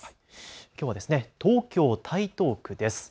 きょうは東京台東区です。